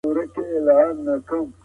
خبري، ملاقاتونه او راشه درشه ئې زياته سي.